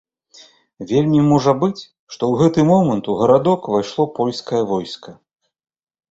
Вельмі можа быць, што ў гэты момант у гарадок увайшло польскае войска.